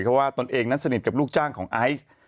เพราะว่าตนเองนั้นสนิทกับลูกจ้างของไอซ์